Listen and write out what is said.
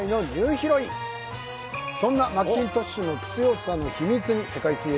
そんなマッキントッシュの強さの秘密に『世界水泳』